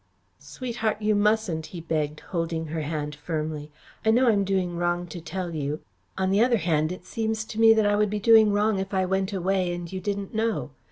"Sweetheart, you mustn't," he begged, holding her hand firmly. "I know I'm doing wrong to tell you. On the other hand, it seems to me that I would be doing wrong if I went away and you didn't know.